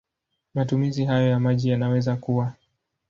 Matumizi hayo ya maji yanaweza kuwa